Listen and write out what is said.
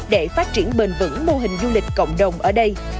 để phát triển bền vững mô hình du lịch cộng đồng ở đây